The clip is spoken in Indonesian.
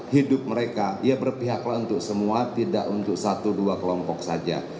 hidup mereka ya berpihaklah untuk semua tidak untuk satu dua kelompok saja